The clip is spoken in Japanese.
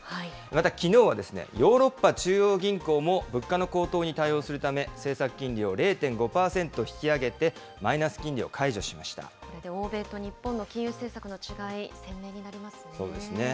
また、きのうはヨーロッパ中央銀行も、物価の高騰に対応するため、政策金利を０．５％引き上げて、欧米と日本の金融政策の違い、そうですね。